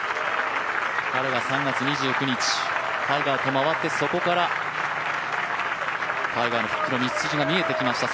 彼が３月２９日、タイガーと回って、そこからタイガーの復帰の道筋が見えてきました。